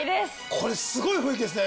これすごい雰囲気ですね。